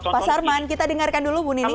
pak sarman kita dengarkan dulu bu nini